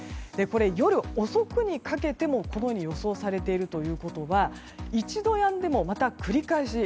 夜遅くにかけても、このように予想されているということは一度、やんでもまた繰り返し。